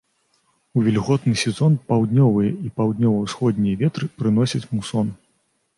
У вільготны сезон паўднёвыя і паўднёва-ўсходнія ветры прыносяць мусон.